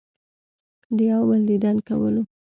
د يو بل ديدن کولو